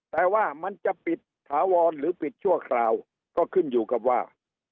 แต่ว่ามันจะปิดถาวรหรือปิดชั่วคราวก็ขึ้นอยู่กับว่า